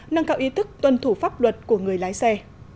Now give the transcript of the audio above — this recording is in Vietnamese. nâng cao ý thức tuân thủ pháp luật của người lái xe